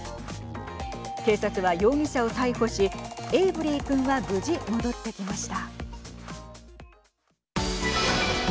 警察は容疑者を逮捕しエイブリー君は無事戻ってきました。